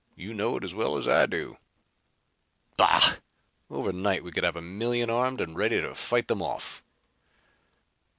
You know it as well as I do." "Bah! Overnight we could have a million armed and ready to fight them off."